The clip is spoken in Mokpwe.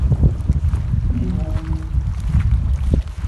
Íhwǃúúhwí.